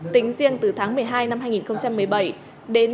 tính riêng từ tháng một mươi hai năm hai nghìn một mươi bảy đến